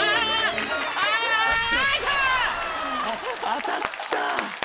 当たった。